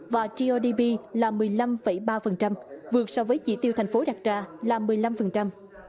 và grdp là một mươi năm ba vượt so với chỉ tiêu tp hcm là một mươi năm